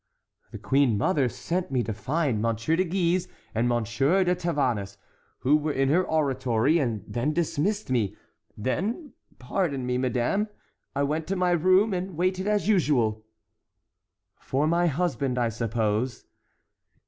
"The queen mother sent me to find Monsieur de Guise and Monsieur de Tavannes, who were in her oratory, and then dismissed me. Then—pardon me, madame—I went to my room and waited as usual." "For my husband, I suppose."